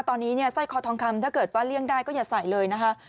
ตอนนี้ไซค์คอทองคำถ้าเขาเลี่ยงได้ก็อย่าใส่เลยนะคะ